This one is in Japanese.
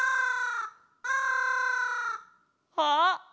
あっ！